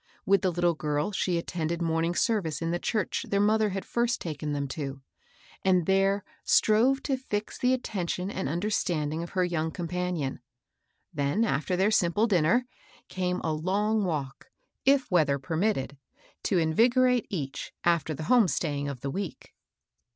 With the Uttle girl she attended morn ing service in the church their mother had first taken them to, and there strove to fix the atten tion and understanding of her young compan ion ; then, after theii* simple dinner, came a long walk, if weather permitted, to invigorate each after the home staying of the week.